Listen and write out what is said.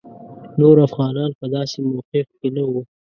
نور افغانان په داسې موقف کې نه وو.